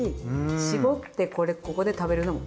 絞ってここで食べるのも。